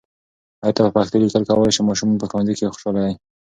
آیا ته په پښتو لیکل کولای سې؟ ماشومان په ښوونځي کې خوشاله دي.